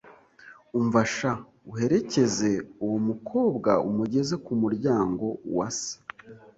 Umva sha! Uherekeze uwo mukowa umugeze ku muryango wa se